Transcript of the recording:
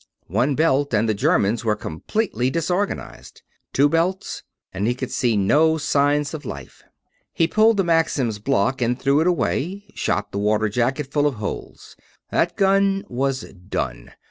One belt and the Germans were completely disorganized; two belts and he could see no signs of life. He pulled the Maxim's block and threw it away; shot the water jacket full of holes. That gun was done.